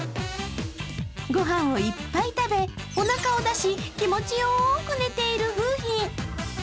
御飯をいっぱい食べおなかを出し気持ちよく寝ている楓浜。